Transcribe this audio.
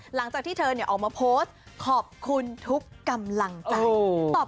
หลังจากที่เธอออกมาโพสต์ขอบคุณทุกกำลังใจ